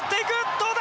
どうだ？